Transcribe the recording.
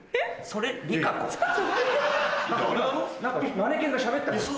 マネキンがしゃべったよ。